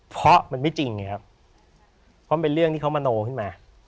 เพราะมันไม่จริงไงครับเพราะมันเป็นเรื่องที่เขามโนขึ้นมา